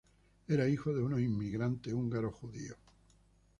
Era hijo de unos inmigrantes húngaros judíos.